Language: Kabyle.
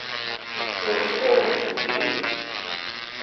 Meslayemt-d yid-i.